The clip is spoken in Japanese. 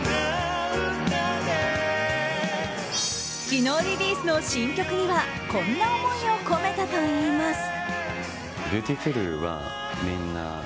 昨日リリースの新曲にはこんな思いを込めたといいます。